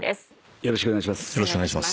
よろしくお願いします。